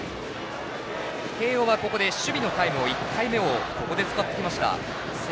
慶応は守備のタイムの１回目をここで使ってきました。